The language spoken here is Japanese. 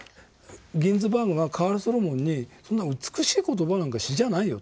ギンズバーグがカール・ソロモンに「そんな美しい言葉なんか詩じゃないよ。